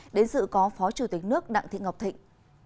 đến dự có phó chủ tịch nước đặng thị ngọc thịnh